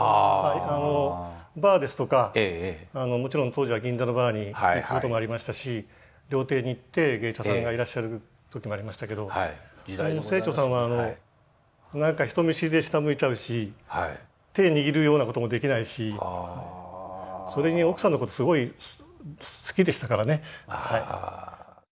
バーですとかもちろん当時は銀座のバーに行くこともありましたし料亭に行って芸者さんがいらっしゃる時もありましたけど清張さんはなんか人見知りで下向いちゃうし手握るようなこともできないしそれに奥さんのことすごい好きでしたからね。